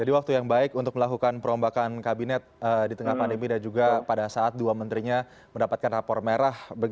waktu yang baik untuk melakukan perombakan kabinet di tengah pandemi dan juga pada saat dua menterinya mendapatkan rapor merah